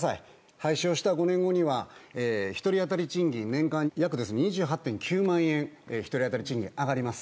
廃止をした５年後には、１人当たり賃金、年間約です、２８．９万円、１人当たり賃金上がります。